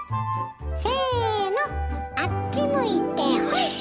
せのあっち向いてホイ！